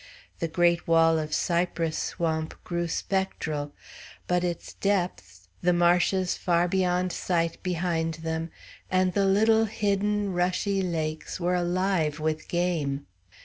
The great wall of cypress swamp grew spectral. But its depths, the marshes far beyond sight behind them, and the little, hidden, rushy lakes, were alive with game.